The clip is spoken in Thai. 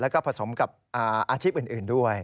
แล้วก็ผสมกับอาชีพอื่นด้วย